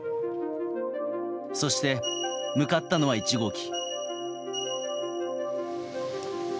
そして、向かったのは１号機。